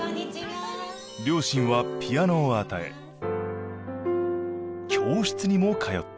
両親はピアノを与え教室にも通った